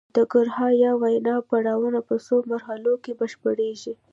د ګړهار یا وینا پړاوونه په څو مرحلو کې بشپړیږي